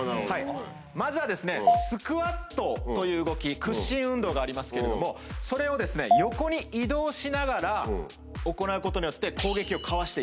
まずは。という動き屈伸運動がありますけれどもそれを横に移動しながら行うことによって。